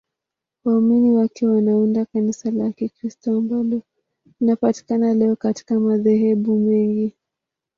Waumini wake wanaunda Kanisa la Kikristo ambalo linapatikana leo katika madhehebu mengi.